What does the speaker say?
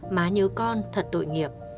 má nhớ con thật tội nghiệp